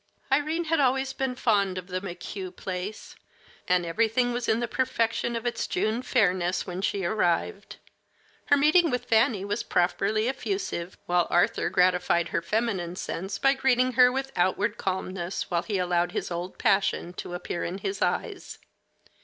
Irene had always been fond of the McHugh place, and everything was in the perfection of its June fairness when she arrived. Her meeting with Fanny was properly effusive, while Arthur gratified her feminine sense by greeting her with outward calmness while he allowed his old passion to appear in his eyes.